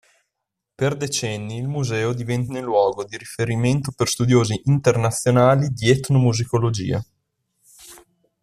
Per decenni il museo divenne luogo di riferimento per studiosi internazionali di etnomusicologia.